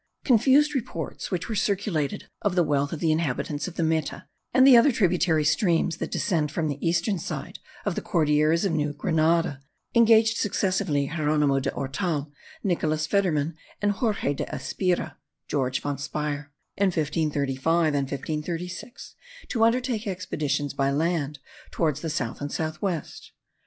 Confused reports which were circulated of the wealth of the inhabitants of the Meta, and the other tributary streams that descend from the eastern side of the Cordilleras of New Grenada, engaged successively Geronimo de Ortal, Nicolas Federmann, and Jorge de Espira (George von Speier), in 1535 and 1536, to undertake expeditions by land towards the south and south west.